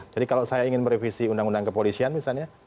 jadi kalau saya ingin merevisi undang undang kepolisian misalnya